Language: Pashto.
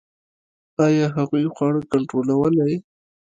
ایا د هغوی خواړه کنټرولوئ؟